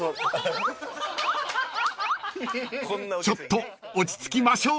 ［ちょっと落ち着きましょう］